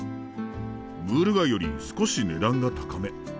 ムール貝より少し値段が高め。